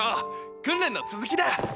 訓練の続きだ！